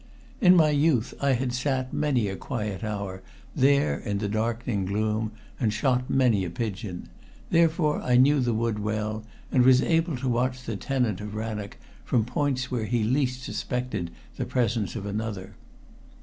In my youth I had sat many a quiet hour there in the darkening gloom and shot many a pigeon, therefore I knew the wood well, and was able to watch the tenant of Rannoch from points where he least suspected the presence of another.